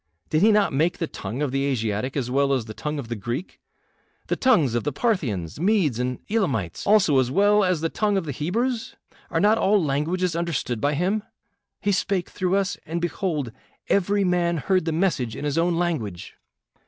Did he not make the tongue of the Asiatic as well as the tongue of the Greek; the tongues of the Parthians, Medes, and Elamites also, as well as the tongue of the Hebrews? Are not all languages understood by him? He spake through us, and behold, every man heard the message in his own language.